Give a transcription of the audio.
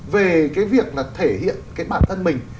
về cái việc là thể hiện cái bản thân mình